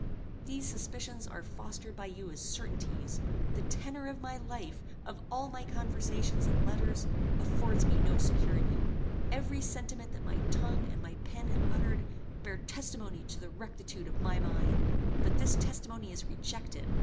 These suspicions are fostered by you as certainties; the tenor of my life, of all my conversations and letters, affords me no security; every sentiment that my tongue and my pen have uttered, bear testimony to the rectitude of my mind; but this testimony is rejected.